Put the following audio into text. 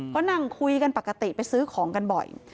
ก็นั่งคุยกันปกติไปซื้อของกันบ่อย